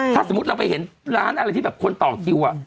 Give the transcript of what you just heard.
ถ้าสมมุติเราไปเห็นร้านอะไรที่แบบคนต่อคิว